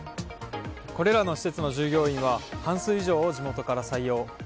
これらの施設の従業員は半数以上を地元から採用。